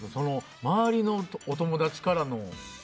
周りのお友達からの。